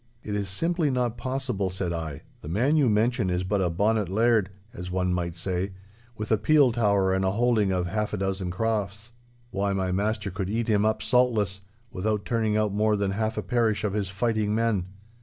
'It is simply not possible,' said I; 'the man you mention is but a bonnet laird, as one might say, with a peel tower and a holding of half a dozen crofts. Why, my master could eat him up saltless, without turning out more than half a parish of his fighting men.